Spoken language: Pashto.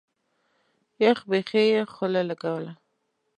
يخ بيخي خوله لګوله.